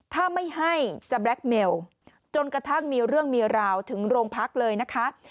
ถ้าไม่ให้จะแล็คเมลจนกระทั่งมีเรื่องมีราวถึงโรงพักเลยนะคะ